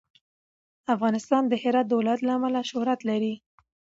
افغانستان د هرات د ولایت له امله شهرت لري.